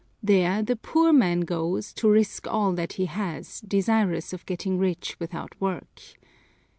There the poor man goes to risk all that he has, desirous of getting rich without work.